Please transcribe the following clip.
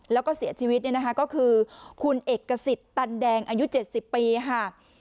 แล้วก็เสียชีวิตเนี่ยนะคะก็คือคุณเอกสิทธิ์ตันแดงอายุ๗๐ปีค่ะ